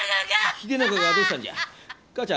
秀長がどうしたんじゃ？